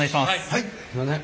はいすいません。